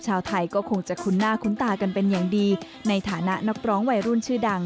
คนไทยคนหนึ่งที่มาทำที่จีน